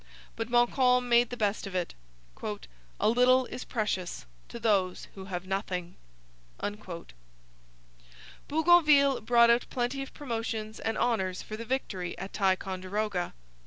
But Montcalm made the best of it: 'a little is precious to those who have nothing.' Bougainville brought out plenty of promotions and honours for the victory at Ticonderoga.